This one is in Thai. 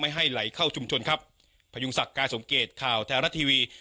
ไม่ให้ไหลเข้าชุมชนครับพายูกสักการสงเกตข่าวธลาดทีวี